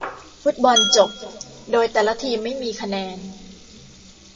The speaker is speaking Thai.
ฟุตบอลจบโดยแต่ละทีมไม่มีคะแนน